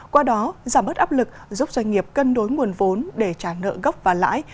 qua đó giảm bớt áp lực giúp doanh nghiệp cân đối nguồn vốn để trả nợ gốc và lãi